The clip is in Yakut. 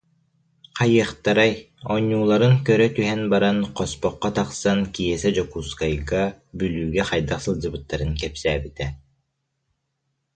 Хайыахтарай, оонньуулларын көрө түһэн баран хоспоххо тахсан Киэсэ Дьокуускайга, Бүлүүгэ хайдах сылдьыбыттарын кэпсээбитэ